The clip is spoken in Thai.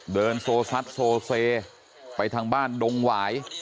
เดินโซศัศน์โซเฟหมั่นไปทางบ้านดงหว่าย